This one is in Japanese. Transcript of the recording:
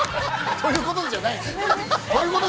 ◆ということじゃないです。